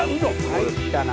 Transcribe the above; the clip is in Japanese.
参ったな。